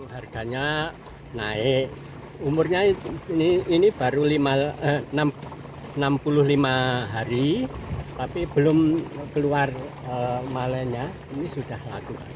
harganya naik umurnya ini baru enam puluh lima hari tapi belum keluar malennya ini sudah laku